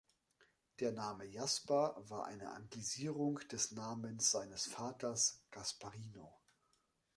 Der Name Jasper war eine Anglisierung des Namens seines Vaters, Gasparino.